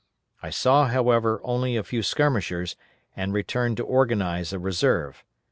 I saw, however, only a few skirmishers, and returned to organize a reserve.